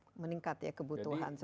terus meningkat ya kebutuhan seperti ini